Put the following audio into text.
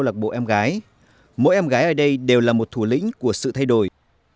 lạc bộ em gái mỗi em gái ở đây đều là một thủ lĩnh của sự thay đổi